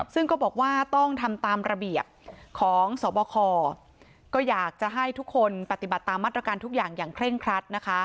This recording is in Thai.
ซึ่งก็บอกว่าต้องทำตามระเบียบของสบคก็อยากจะให้ทุกคนปฏิบัติตามมาตรการทุกอย่างอย่างเคร่งครัดนะคะ